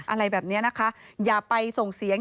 อะไรแบบนี้นะคะอย่าไปส่งเสียง